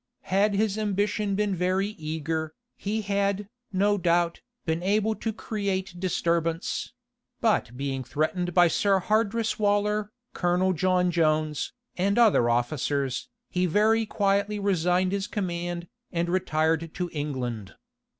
Had his ambition been very eager, he had, no doubt, been able to create disturbance: but being threatened by Sir Hardress Waller, Colonel John Jones, and other officers, he very quietly resigned his command, and retired to England.